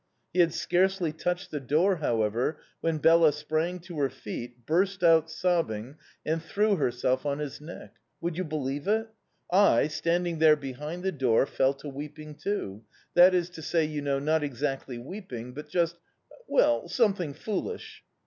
"He had scarcely touched the door, however, when Bela sprang to her feet, burst out sobbing, and threw herself on his neck! Would you believe it? I, standing there behind the door, fell to weeping too, that is to say, you know, not exactly weeping but just well, something foolish!"